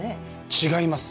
違います。